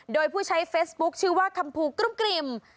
โดยผู้ใช้เฟสบุคชื่อว่าคัมภูกเหลือกริม